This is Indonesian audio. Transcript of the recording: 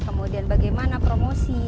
kemudian bagaimana promosi